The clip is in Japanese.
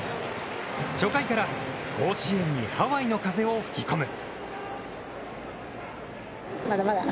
初回から甲子園にハワイの風を吹き込む。